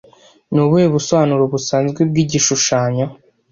Ni ubuhe busobanuro busanzwe bwa Igishushanyo